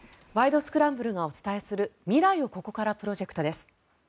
スクランブル」がお伝えする未来をここからプロジェクトです。